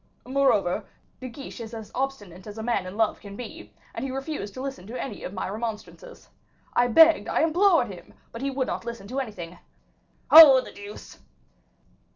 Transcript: "Moreover, De Guiche is as obstinate as a man in love can be, and he refused to listen to any of my remonstrances. I begged, I implored him, but he would not listen to anything. Oh, the deuce!"